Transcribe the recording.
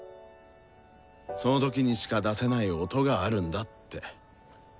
その瞬間にしか出せない「音」があるんだって。